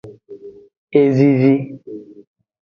E vivi.